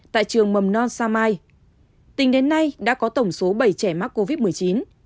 tại trường mầm non sao mai tính đến nay đã có tổng số bảy trẻ mắc covid một mươi chín